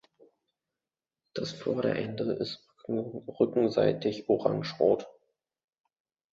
Das Vorderende ist rückenseitig orangerot.